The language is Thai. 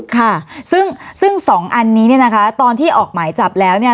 ค่ะซึ่งซึ่งสองอันนี้เนี่ยนะคะตอนที่ออกหมายจับแล้วเนี่ย